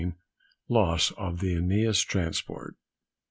LOSS OF THE ÆNEAS TRANSPORT.